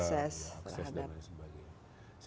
akses dan lain sebagainya